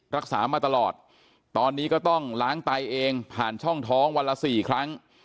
รักษามาตลอดตอนนี้ก็ต้องล้างไตเองผ่านช่องท้องวันละ๔ครั้ง